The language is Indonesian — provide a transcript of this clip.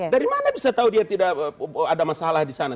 dari mana bisa tahu dia tidak ada masalah di sana